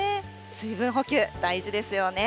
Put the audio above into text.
水分補給、大事ですよね。